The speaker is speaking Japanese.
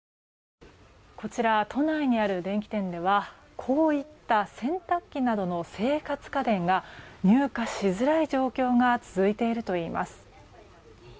こちら都内にある電気店ではこういった洗濯機などの生活家電が入荷しづらい状況が続いているといいます。